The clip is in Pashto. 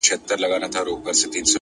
لوړ هدفونه روښانه پلان غواړي!.